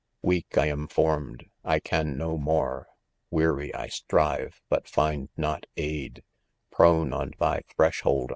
') Weak I am formed, I can no mora, _ Weary I strive 5 but find not aid,— Prone "on thy threshold!